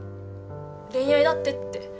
恋愛だってって。